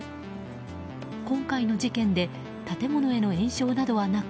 今回の事件で建物への延焼などはなく